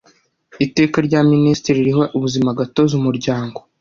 iteka rya minisitiri riha ubuzimagatozi umuryango .